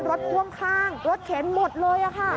พ่วงข้างรถเข็นหมดเลยค่ะ